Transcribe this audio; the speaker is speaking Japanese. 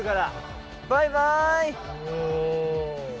バイバーイ。